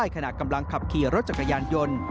ขณะกำลังขับขี่รถจักรยานยนต์